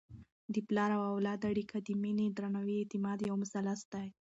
د پلار او اولاد اړیکه د مینې، درناوي او اعتماد یو مثلث دی.